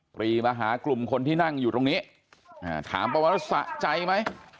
ปรีมาหากลุ่มคนที่นั่งอยู่ตรงนี้ถามประมาณว่าสะใจไหม